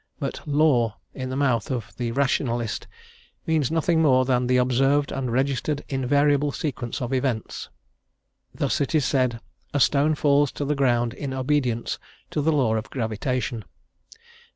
But "law" in the mouth of the Rationalist means nothing more than the observed and registered invariable sequence of events. Thus it is said "a stone falls to the ground in obedience to the law of gravitation."